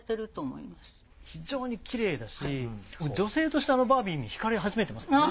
非常にきれいだし女性としてあのバービーに惹かれ始めてます。